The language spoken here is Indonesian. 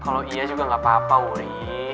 kalau iya juga gak apa apa wuri